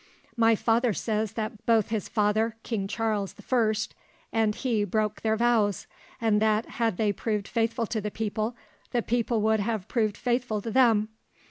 "My father says that both his father, King Charles the First, and he broke their vows; and that, had they proved faithful to the people, the people would have proved faithful to them.